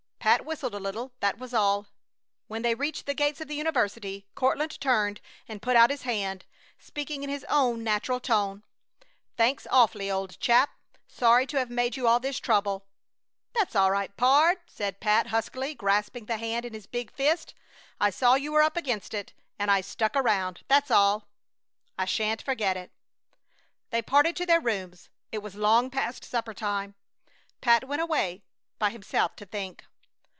Pat whistled a little, that was all. When they reached the gates of the university Courtland turned and put out his hand, speaking in his own natural tone: "Thanks awfully, old chap! Sorry to have made you all this trouble!" "That's all right, pard," said Pat, huskily, grasping the hand in his big fist. "I saw you were up against it and I stuck around, that's all!" "I sha'n't forget it!" They parted to their rooms. It was long past suppertime. Pat went away by himself to think.